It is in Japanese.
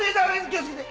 気を付けて！